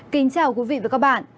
kính chào quý vị và các bạn